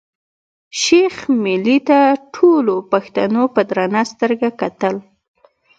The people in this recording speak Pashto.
شېخ ملي ته ټولو پښتنو په درنه سترګه کتل.